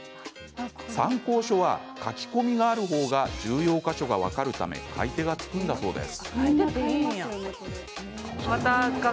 参考書は書き込みがある方が重要箇所が分かるため買い手がつくんだそうです。